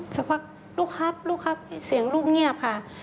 สักพักลูกครับลูกครับเสียงลูกเงียบค่ะ